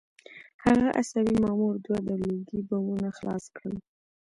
هغه عصبي مامور دوه د لوګي بمونه خلاص کړل